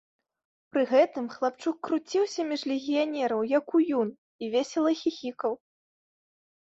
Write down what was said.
Пры гэтым хлапчук круціўся між легіянераў, як уюн, і весела хіхікаў.